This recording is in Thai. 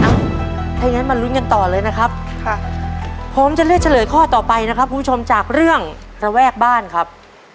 ถ้าอย่างนั้นมาลุ้นกันต่อเลยนะครับค่ะผมจะเลือกเฉลยข้อต่อไปนะครับคุณผู้ชมจากเรื่องระแวกบ้านครับ